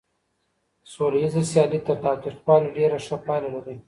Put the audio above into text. سوليزه سيالي تر تاوتريخوالي ډېره ښه پايله لري.